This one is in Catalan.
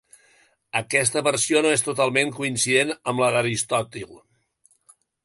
Aquesta versió no és totalment coincident amb la d’Aristòtil.